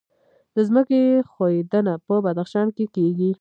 د ځمکې ښویدنه په بدخشان کې کیږي